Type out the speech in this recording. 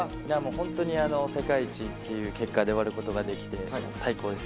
本当に世界一という結果で終わることができて最高です。